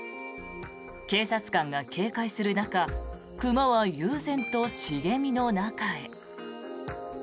警察官が警戒する中熊は悠然と茂みの中へ。